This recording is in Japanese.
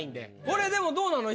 これでもどうなの？